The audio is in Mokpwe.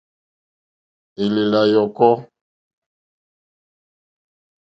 Èlèlà yɔ̀kɔ́.